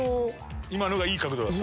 今のがいい角度だった。